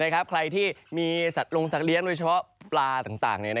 ใครที่มีลงสัตว์เลี้ยงโดยเฉพาะปลาต่าง